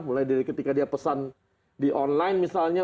mulai dari ketika dia pesan di online misalnya